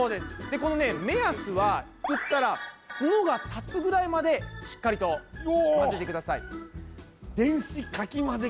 でこのね目安はすくったらツノが立つぐらいまでしっかりとまぜてください。